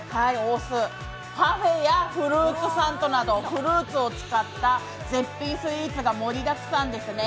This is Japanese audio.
パフェやフルーツサンドなどフルーツを使った絶品スイーツが盛りだくさんですね。